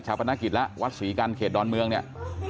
เฉพาะพระนักอิตรนะคะวัดสวีกัญช์เขตดอนเมื่องเนี่ย